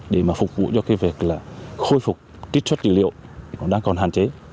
để phục vụ cho việc khôi phục kích xuất dữ liệu còn đang còn hạn chế